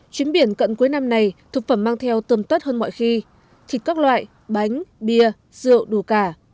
chuyến biển cận cuối năm này thực phẩm mang theo tươm tất hơn mọi khi thịt các loại bánh bia rượu đủ cả